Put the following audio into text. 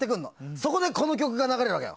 そこでこの曲が流れるわけよ。